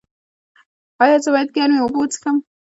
ایا زه باید ګرمې اوبه وڅښم؟